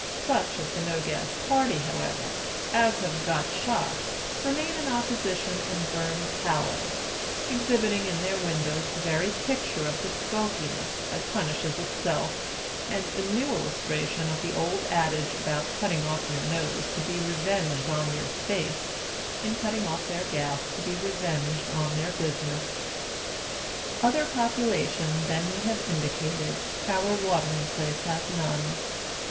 Such of the No Gas party, however, as have got shops, remain in oppo sition and burn tallow — exhibiting in their windows the very picture of the sulkiness that punishes itself, and a new illustration of the old adage about cutting off your nose to be revenged on your face, in cutting off their gas to be revenged on their business. Other population than we have indicated, our Watering Place has none.